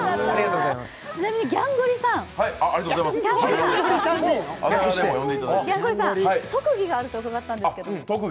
ちなみにギャンゴリさん、特技があると伺ったんですけど。